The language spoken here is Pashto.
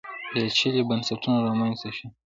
پېچلي بنسټونه رامنځته شول